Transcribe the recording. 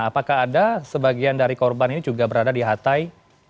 apakah ada sebagian dari korban ini juga berada di hatai